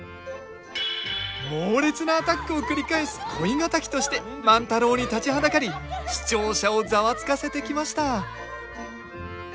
猛烈なアタックを繰り返す恋敵として万太郎に立ちはだかり視聴者をざわつかせてきました